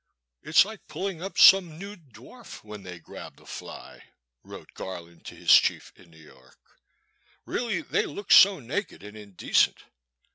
'* It 's like pulling up some nude dwarf, when 234 '^f^ Boy^s Sister. they grab the fly," wrote Garland to his chief in New York, really they look so naked and inde cent.'